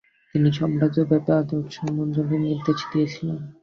তিনি সাম্রাজ্যব্যপী আদমশুমারির নির্দেশ দিয়েছিলেন।